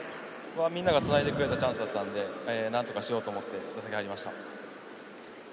みんながつないでくれたチャンスだったのでなんとかしようと思って打席に入りました。